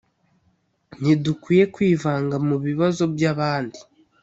ntidukwiye kwivanga mu bibazo by’abandi